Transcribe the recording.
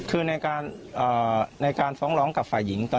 อ๋อแล้วในเรื่องการฟ้องร้องกับฝ่ายหญิง